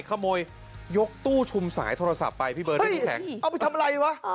ขโมยยกตู้ชุมสายโทรศัพท์ไปพี่เบิร์ตได้ทำอะไรวะ